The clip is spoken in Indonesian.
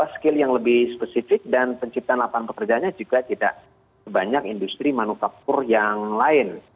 skill yang lebih spesifik dan penciptaan lapangan pekerjaannya juga tidak sebanyak industri manufaktur yang lain